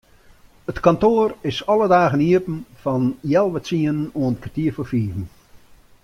It kantoar is alle dagen iepen fan healwei tsienen oant kertier foar fiven.